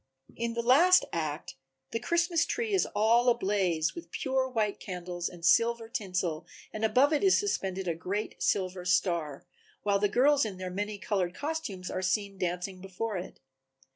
In the last act the Christmas tree is all a blaze with pure white candles and silver tinsel and above it is suspended a great silver star, while the girls in their many colored costumes are seen dancing before it.